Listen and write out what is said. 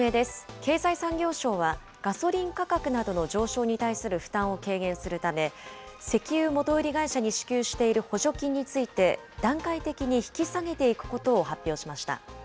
経済産業省はガソリン価格などの上昇に対する負担を軽減するため、石油元売り会社に支給している補助金について、段階的に引き下げていくことを発表しました。